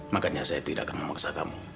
makanya saya tidak akan memaksa kamu